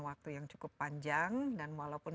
waktu yang cukup panjang dan walaupun